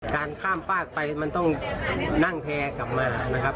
การข้ามฝากไปมันต้องนั่งแพร่กลับมานะครับ